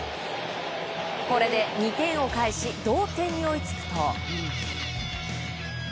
これで２点を返し同点に追いつくと。